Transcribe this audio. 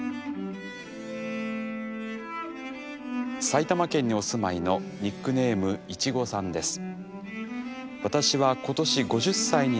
埼玉県にお住まいのニックネームいちごさんです。